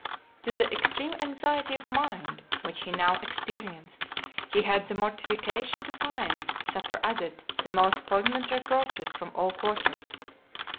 LXVI. To the extreme anxiety of mind which he now experienced, he had the mortification to find superadded the most poignant reproaches from all quarters.